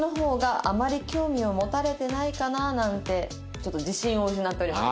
ちょっと自信を失っております。